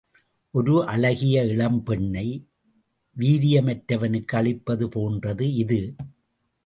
ஒரு அழகிய இளம்பெண்ணை, வீரியமற்றவனுக்கு அளிப்பது போன்றது இது.